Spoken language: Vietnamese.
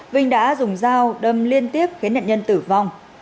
vinh đã dùng dao đâm liên tiếp khiến nạn nhân tử vong